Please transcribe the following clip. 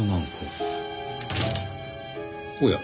おや？